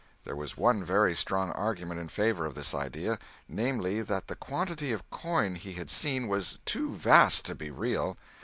There was one very strong argument in favor of this idea—namely, that the quantity of coin he had seen was too vast to be real.